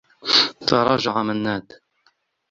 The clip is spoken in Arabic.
تراجع منّاد.